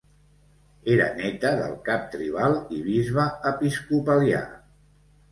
Era néta del cap tribal i bisbe episcopalià.